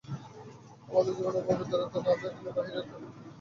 আমাদের নিজেদের ভিতরে অপবিত্রতা না থাকিলে বাহিরে কখনই অপবিত্রতা দেখিতে পাইতাম না।